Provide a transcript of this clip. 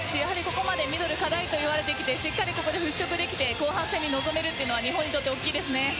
ここまでミドルが課題と言われてきてしっかり、ここで払拭できて後半戦に臨めるのは日本にとって大きいですね。